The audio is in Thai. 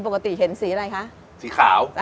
ปกติเห็นสีอะไรคะสีขาว